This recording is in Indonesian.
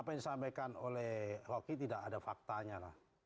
apa yang disampaikan oleh rocky tidak ada faktanya lah